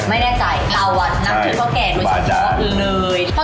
ไม่แน่ใจเรานักคือพ่อแก่งไม่ใช่พ่อคือเลย